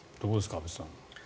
安部さん。